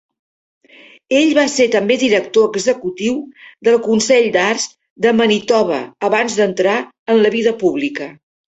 Ell va ser també director executiu del Consell d'Arts de Manitoba abans d"entrar en la vida pública.